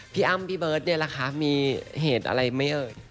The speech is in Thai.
พี่อ้ำพี่เบิร์ตมีเหตุอะไรมะเอ๋ย